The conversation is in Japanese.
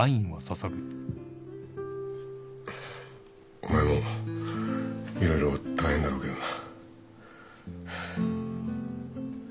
お前も色々大変だろうけどな。